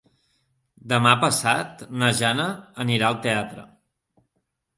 Demà passat na Jana anirà al teatre.